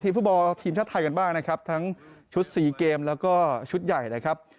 ฟุตบอลทีมชาติไทยกันบ้างนะครับทั้งชุด๔เกมแล้วก็ชุดใหญ่นะครับ